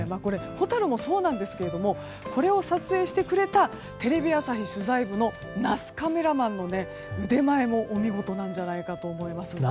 ホタルもそうかもしれませんがこれを撮影してくれたテレビ朝日取材者のナスカメラマンの腕前もお見事なんじゃないかなと思います。